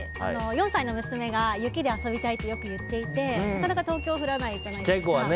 ４歳の娘が雪で遊びたいとよく言っていてなかなか東京は降らないじゃないですか。